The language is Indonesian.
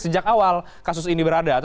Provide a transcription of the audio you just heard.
sejak awal kasus ini berada